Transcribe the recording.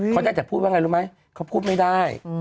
เขาได้แต่พูดว่าไงรู้ไหมเขาพูดไม่ได้